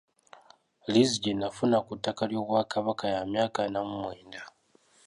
Liizi gye nafuna ku ttaka ly'Obwakabaka ya myaka ana mu mwenda.